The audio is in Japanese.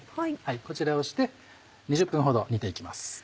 こちらをして２０分ほど煮て行きます。